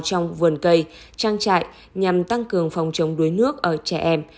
trong vườn cây trang trại nhằm tăng cường phòng chống đuối nước ở trẻ em